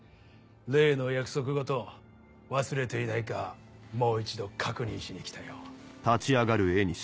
例の約束事忘れていないかもう一度確認しに来たよ。